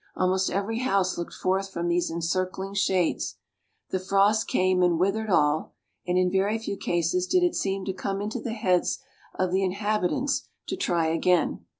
Almost every house looked forth from these encircling shades. The frost came and withered all; and in very few cases did it seem to come into the heads of the inhabitants to try again.